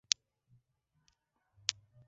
La capital de Escocia es Edimburgo.